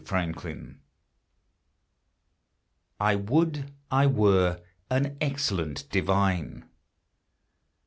I WOULD I WERE AN EXCELLENT DIVINE.